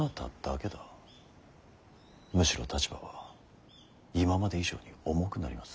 むしろ立場は今まで以上に重くなります。